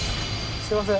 すみません。